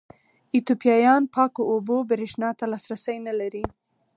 ایتوپیایان پاکو اوبو برېښنا ته لاسرسی نه لري.